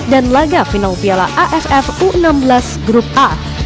dan laga final piala aff u enam belas grup a